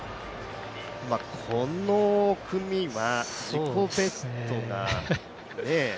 この組は自己ベストが、ねえ。